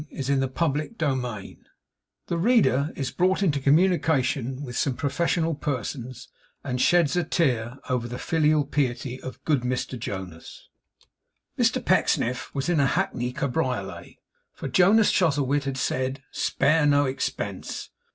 CHAPTER NINETEEN THE READER IS BROUGHT INTO COMMUNICATION WITH SOME PROFESSIONAL PERSONS, AND SHEDS A TEAR OVER THE FILIAL PIETY OF GOOD MR JONAS Mr Pecksniff was in a hackney cabriolet, for Jonas Chuzzlewit had said 'Spare no expense.